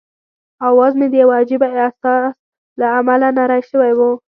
اواز مې د یوه عجيبه احساس له امله نری شوی وو.